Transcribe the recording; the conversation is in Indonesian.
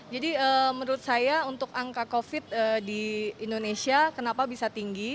jadi menurut saya untuk angka covid di indonesia kenapa bisa tinggi